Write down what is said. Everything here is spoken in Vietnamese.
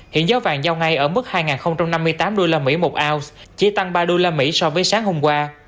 hiện giá vàng giao ngay ở mức hai năm mươi tám usd một ounce chỉ tăng ba usd so với sáng hôm qua